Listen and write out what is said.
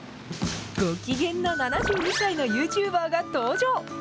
ご機嫌の７２歳のユーチューバーが登場。